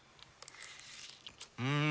うん！